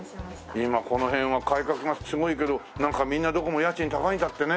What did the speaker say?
今この辺は改革がすごいけどなんかみんなどこも家賃高いんだってね。